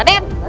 ada apa guru